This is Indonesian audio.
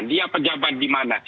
dia pejabat di mana